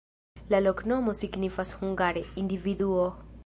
La loknomo signifas hungare: individuo.